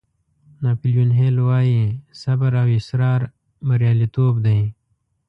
ناپیلیون هیل وایي صبر او اصرار بریالیتوب دی.